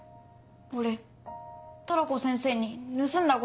俺トラコ先生に盗んだ